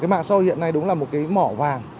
cái mạng sâu hiện nay đúng là một cái mỏ vàng